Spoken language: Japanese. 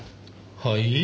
はい？